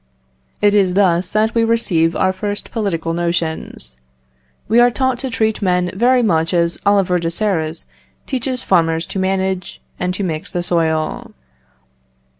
It is thus that we receive our first political notions. We are taught to treat men very much as Oliver de Serres teaches farmers to manage and to mix the soil.